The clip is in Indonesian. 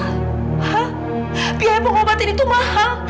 hah biaya pengobatan itu mahal